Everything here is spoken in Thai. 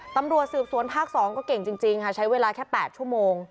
ตำรัวสืบสวนภาคสองก็เก่งจริงจริงค่ะใช้เวลาแค่แปดชั่วโมง